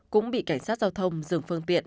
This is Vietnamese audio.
cũng bị cảnh sát giao thông dừng phương tiện